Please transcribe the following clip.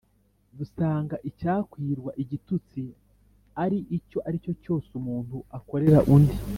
dusanga icyakwirwa igitutsi ari icyo ari cyo cyose umunru akorera undi,